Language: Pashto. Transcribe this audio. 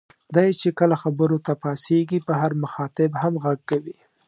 دی چې کله خبرو ته پاڅېږي په هر مخاطب هم غږ کوي.